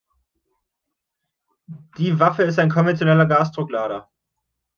Die Waffe ist ein konventioneller Gasdrucklader.